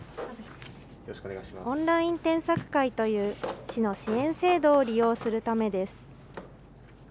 オンライン添削会という市の支援制度を利用するためです。